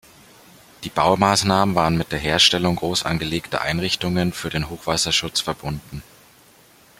Die Baumaßnahmen waren mit der Herstellung großangelegter Einrichtungen für den Hochwasserschutz verbunden.